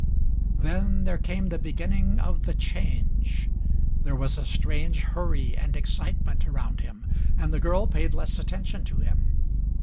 Then there came the beginning of the change. There was a strange hurry and excitement around him, and the girl paid less attention to him.